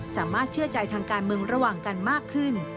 เชื่อใจทางการเมืองระหว่างกันมากขึ้น